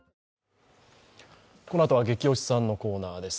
このあとはゲキ推しさんのコーナーです。